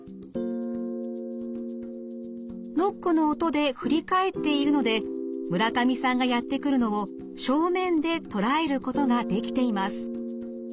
ノックの音で振り返っているので村上さんがやって来るのを正面で捉えることができています。